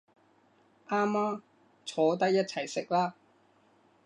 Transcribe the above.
啱吖，坐低一齊食啦